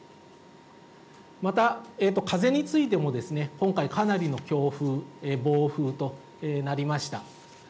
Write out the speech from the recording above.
また、風についても今回、かなりの強風、暴風となりました。